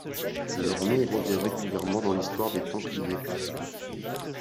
Leur nom revient régulièrement dans l'histoire des Templiers.